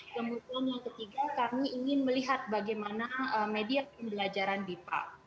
kemudian yang ketiga kami ingin melihat bagaimana media pembelajaran bipa